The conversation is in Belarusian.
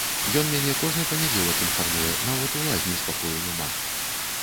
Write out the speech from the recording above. Ён мяне кожны панядзелак інфармуе, нават у лазні спакою няма.